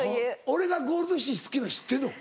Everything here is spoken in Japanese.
俺がゴールドシチー好きなの知ってんの？